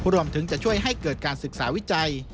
รวมถึงจะช่วยให้เกิดการศึกษาวิจัย